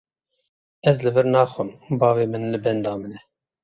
Ez li vir naxwim, bavê min li benda min e.